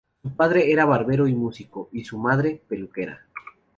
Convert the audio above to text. Su padre era barbero y músico y su madre, peluquera.